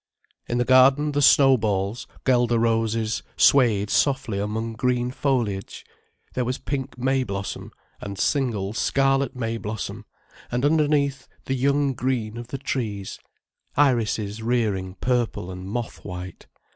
In the garden the snowballs, guelder roses, swayed softly among green foliage, there was pink may blossom, and single scarlet may blossom, and underneath the young green of the trees, irises rearing purple and moth white.